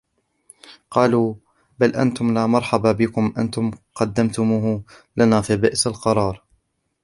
قالوا بل أنتم لا مرحبا بكم أنتم قدمتموه لنا فبئس القرار